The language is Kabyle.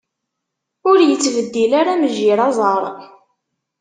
Ur yettbeddil ara mejjir aẓar.